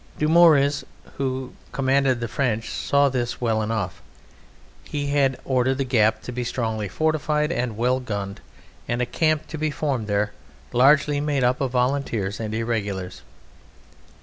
Dumouriez, who commanded the French, saw this well enough; he had ordered the gap to be strongly fortified and well gunned and a camp to be formed there, largely made up of Volunteers and Irregulars.